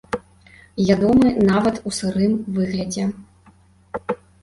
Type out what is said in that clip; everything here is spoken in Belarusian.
Ядомы нават у сырым выглядзе.